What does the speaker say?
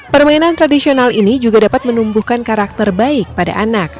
permainan tradisional ini juga dapat menumbuhkan karakter baik pada anak